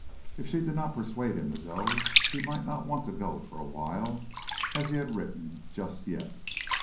If she did not persuade him to go he might not want to go for a while, as he had written—"just yet."